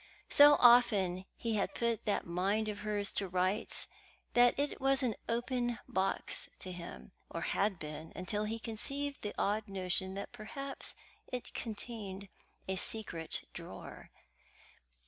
So often he had put that mind of hers to rights that it was an open box to him, or had been until he conceived the odd notion that perhaps it contained a secret drawer.